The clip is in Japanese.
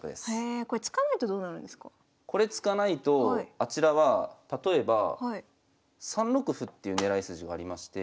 これ突かないとあちらは例えば３六歩っていう狙い筋がありまして。